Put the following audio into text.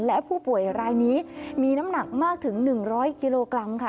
และผู้ป่วยรายนี้มีน้ำหนักมากถึง๑๐๐กิโลกรัมค่ะ